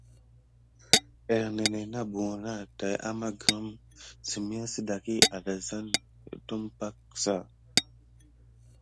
Ernénè na buna täki amà grirmà sem.yà saki depumosok kà.